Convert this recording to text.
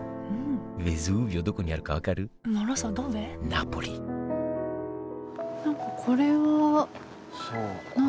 ナポリ何かこれは何？